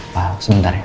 pak sebentar ya